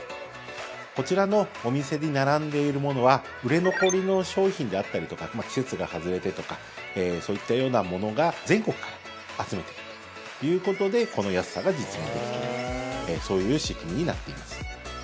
こちらのお店に並んでいるものは売れ残りの商品であったりとか季節が外れてとかそういったようなものが全国から集めているということでこの安さが実現できるそういう仕組みになっています。